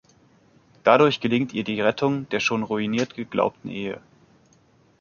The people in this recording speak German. Dadurch gelingt ihr die Rettung der schon ruiniert geglaubten Ehe.